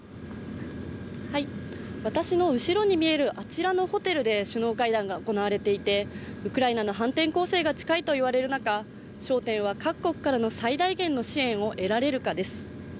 私の後ろに見える、あちらのホテルで首脳会談が行われていてウクライナの反転攻勢が近いと言われる中、焦点は各国からの最大限の支援を得られるかです。